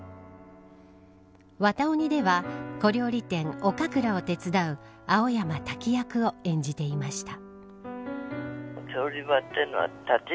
渡鬼では小料理店、おかくらを手伝う青山タキ役を演じていました。